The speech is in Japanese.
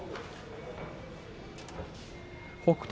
北勝